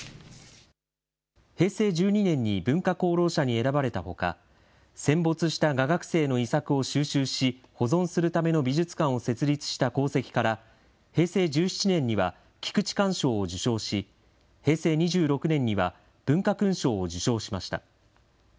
平成１２年に文化功労者に選ばれたほか、戦没した画学生の遺作を収集し、保存するための美術館を設立した功績から、平成１７年には菊池寛賞を受賞し、平成２６年には文化勲章を受章しました。